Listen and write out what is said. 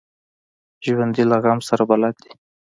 ژوندي له غم سره بلد دي